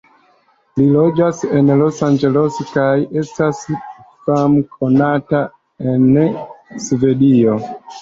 Li loĝas en Los-Anĝeleso kaj estas famkonata en Svedio.